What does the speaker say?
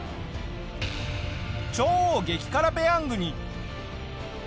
超激辛ペヤングに。